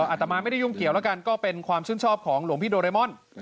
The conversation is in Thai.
อาตมาไม่ได้ยุ่งเกี่ยวแล้วกันก็เป็นความชื่นชอบของหลวงพี่โดเรมอน